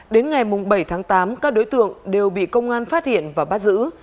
đến ngày bảy tháng tám các đối tượng đều bị công an phát hiện và bắt giữ